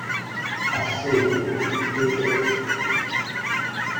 Assedio di Eger